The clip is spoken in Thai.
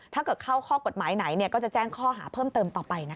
ถ้าเกิดเข้าข้อกฎหมายไหนก็จะแจ้งข้อหาเพิ่มเติมต่อไปนะคะ